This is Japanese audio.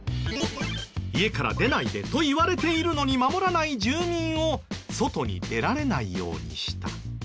「家から出ないで」と言われているのに守らない住民を外に出られないようにした。